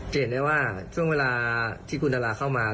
จะเห็นได้ว่าช่วงเวลาที่คุณดาราเข้ามา